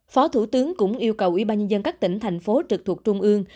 phó thủ tướng cũng yêu cầu ủy ban nhân dân các tỉnh thành phố trực thuộc trung ương